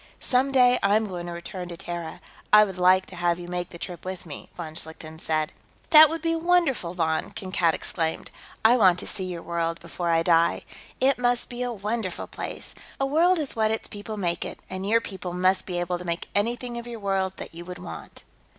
"Some day, I am going to return to Terra; I would like to have you make the trip with me," von Schlichten said. "That would be wonderful, Von!" Kankad exclaimed. "I want to see your world, before I die. It must be a wonderful place. A world is what its people make it, and your people must be able to make anything of your world that you would want."